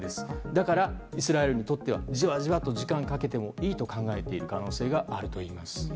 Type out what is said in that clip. だから、イスラエルにとってはじわじわと時間をかけてもいいと考えている可能性があるといいます。